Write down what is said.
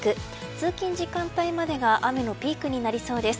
通勤時間帯までが雨のピークになりそうです。